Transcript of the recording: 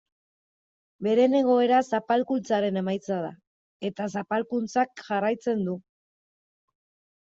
Beren egoera zapalkuntzaren emaitza da eta zapalkuntzak jarraitzen du.